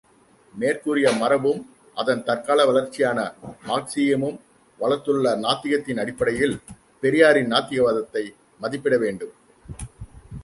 மேற்கூறிய மரபும் அதன் தற்கால வளர்ச்சியான மார்க்சீயமும் வளர்த்துள்ள நாத்திகத்தின் அடிப்படையில் பெரியாரின் நாத்திக வாதத்தை மதிப்பிட வேண்டும்.